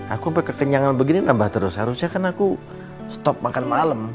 aku kekenyangan begini nambah terus harusnya kan aku stop makan malam